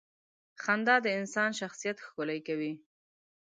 • خندا د انسان شخصیت ښکلې کوي.